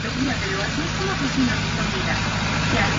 Marcelo Mattos disputó un total de tres partidos en la competición.